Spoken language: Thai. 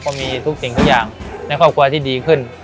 ก็มีทุกสิ่งทุกอย่างในครอบครัวที่ดีขึ้น